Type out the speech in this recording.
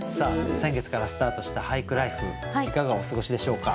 先月からスタートした俳句ライフいかがお過ごしでしょうか？